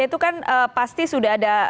itu kan pasti sudah ada